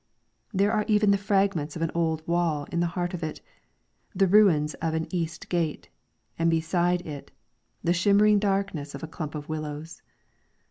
There are even the fragments of an old wall in the heart of it, the ruins of an ' East Gate,"" and beside it the shimmering darkness of a clump of willows.